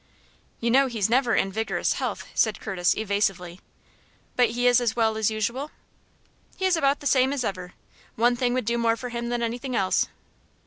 "You know he's never in vigorous health," said Curtis, evasively. "But is he as well as usual?" "He is about the same as ever. One thing would do more for him than anything else."